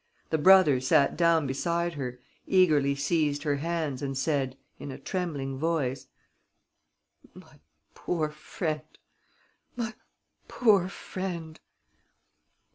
The brother sat down beside her, eagerly seized her hands and said, in a trembling voice: "My poor friend!... My poor friend!..."